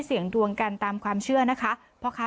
เสี่ยงดวงกันตามความเชื่อนะคะ